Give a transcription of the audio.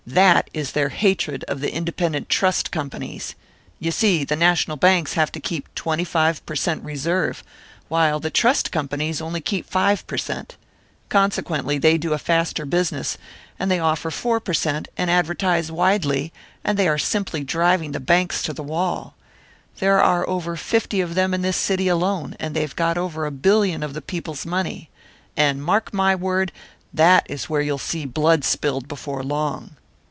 "That is their hatred of the independent trust companies. You see, the national banks have to keep twenty five per cent reserve, while the trust companies only keep five per cent. Consequently they do a faster business, and they offer four per cent, and advertise widely, and they are simply driving the banks to the wall. There are over fifty of them in this city alone, and they've got over a billion of the people's money. And, mark my word, that is where you'll see blood spilled before long."